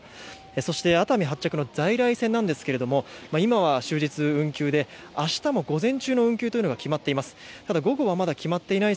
そして熱海発着の在来線なんですけど今は終日運休で明日も午前中の運休が決まっています。